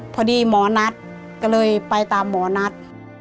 พอดีหมอนัทก็เลยไปตามหมอนัท